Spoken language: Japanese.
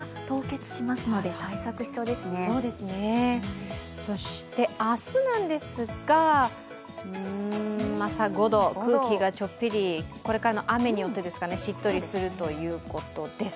ここまで冷えると、水道管が凍結しますのでそして明日なんですが、朝５度、空気がちょっぴりこれからの雨によってしっとりするということです。